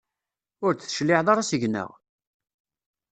Ur d-tecliɛeḍ ara seg-neɣ?